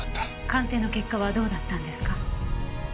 鑑定の結果はどうだったんですか？